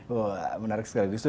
wah menarik sekali